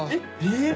えっ⁉